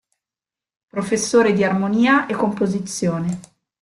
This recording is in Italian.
Professore di armonia e composizione.